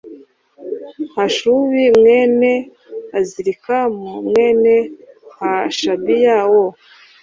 Hashubu mwene Azirikamu mwene Hashabiya wo